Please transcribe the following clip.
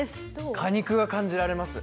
果肉が感じられます。